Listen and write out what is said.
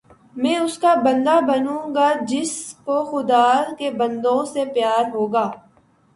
میں اس کا بندہ بنوں گا جس کو خدا کے بندوں سے پیار ہوگا